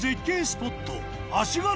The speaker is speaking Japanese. スポット